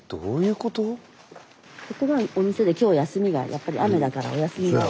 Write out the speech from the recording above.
ここがお店で今日休みがやっぱり雨だからお休みが多い。